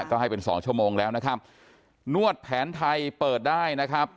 ก็ให้เป็นสองชั่วโมงแล้วนะครับนวดแผนไทยเปิดได้นะครับ